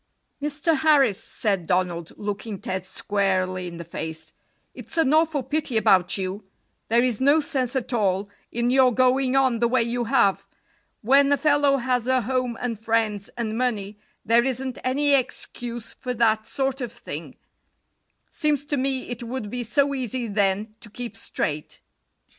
"Mr. Harris," said Donald, looking Ted squarely in the face, "it's an awful pity about you; there is no sense at all in your going on the way you have. When a fellow has a home and friends and money, there isn't any excuse for that sort of thing. Seems to me it would be so easy then to keep straight."